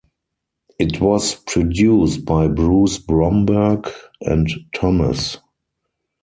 It was produced by Bruce Bromberg and Thomas.